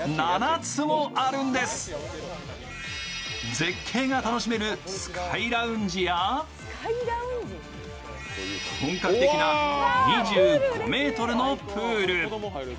絶景が楽しめるスカイラウンジや、本格的な２５ｍのプール。